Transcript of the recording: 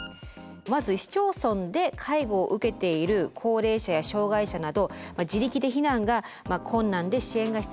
まず市町村で介護を受けている高齢者や障害者など自力で避難が困難で支援が必要な人を調べます。